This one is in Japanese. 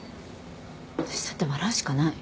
私だって笑うしかない。